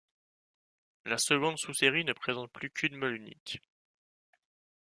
La seconde sous-série ne présente plus qu’une meule unique.